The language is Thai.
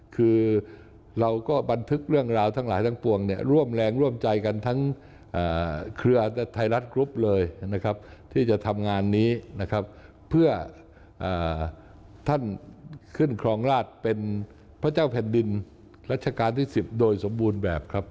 คือเราก็บันทึกเรื่องราวทั้งหลายทั้งปวงเนี่ยร่วมแรงร่วมใจกันทั้งเครือไทยรัฐกรุ๊ปเลยนะครับที่จะทำงานนี้นะครับเพื่อท่านขึ้นครองราชเป็นพระเจ้าแผ่นดินรัชกาลที่๑๐โดยสมบูรณ์แบบครับ